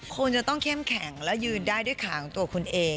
คุณจะต้องเข้มแข็งและยืนได้ด้วยขาของตัวคุณเอง